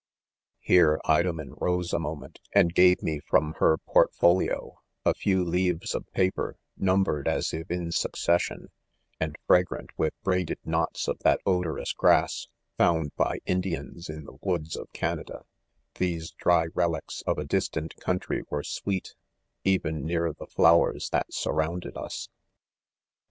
?" Here idomen rose a moment, and gave me from her port folio, a few' leaves of paper num e3 102 1DOMEW* , bered as if in succession, and fragrant with braided knots of |jiat odorous grass, found by Indians, in the woods of Canada j these dry rel ics 'of a distant country were sweet, even near the flowers that surrounded* us.